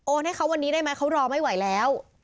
ให้เขาวันนี้ได้ไหมเขารอไม่ไหวแล้ว